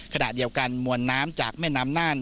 ขณะเดียวกันมวลน้ำจากแม่น้ำน่าน